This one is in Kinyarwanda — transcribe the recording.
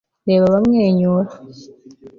reba bamwenyura